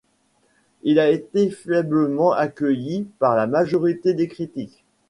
Il a été faiblement accueilli par la majorité des critiques.